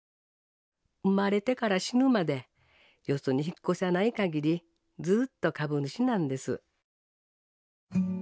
生まれてから死ぬまでよそに引っ越さない限りずっと株主なんです。